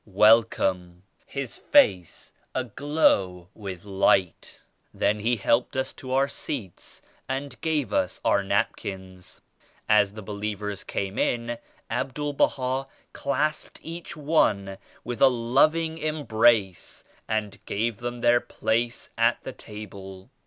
Welcome!" his face aglow with light. Then he helped us to our seats and gave us our napkins. As the believers came in Abdul Baha clasped each one in a loving embrace and gave them their places at the table.